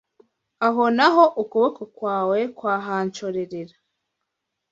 Aho na ho ukuboko kwawe kwahanshorerera